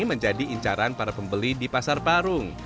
menjadi incaran para pembeli di pasar parung